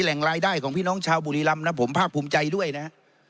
แหล่งรายได้ของพี่น้องชาวบุรีรำนะผมภาคภูมิใจด้วยนะฮะ